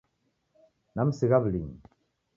Namsigha wulinyi.